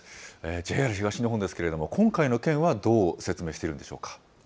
ＪＲ東日本ですけれども、今回の件はどう説明しているんでしょうか。